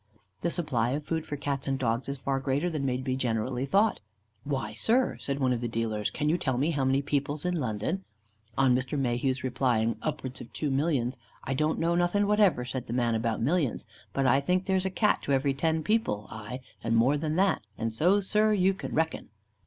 "The supply of food for Cats and Dogs is far greater than may be generally thought. "'Why, sir,' said one of the dealers, 'can you tell me how many people's in London?' On Mr Mayhew's replying, upwards of two millions; 'I don't know nothing whatever,' said the man, 'about millions, but I think there's a Cat to every ten people, aye, and more than that; and so, sir, you can reckon.